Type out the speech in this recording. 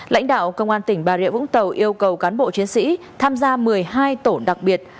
lãnh đạo công an tỉnh bà rịa vũng tàu yêu cầu cán bộ chiến sĩ tham gia một mươi hai tổ đặc biệt